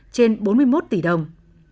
trên bốn mươi một tỷ đồng